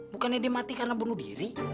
bukannya dia mati karena bunuh diri